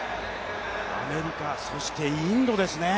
アメリカ、インドですね。